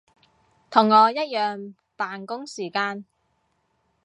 同我一樣扮工時間